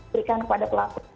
berikan kepada pelaku